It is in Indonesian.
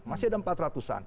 masih ada empat ratus an